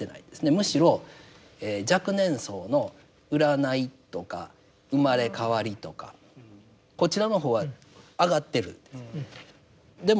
むしろ若年層の占いとか生まれ変わりとかこちらの方は上がっているんです。